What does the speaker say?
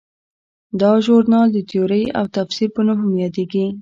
دا ژورنال د تیورۍ او تفسیر په نوم هم یادیږي.